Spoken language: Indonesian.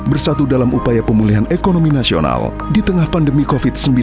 bersatu dalam upaya pemulihan ekonomi nasional di tengah pandemi covid sembilan belas